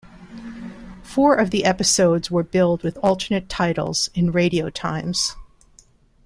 Four of the episodes were billed with alternate titles in "Radio Times".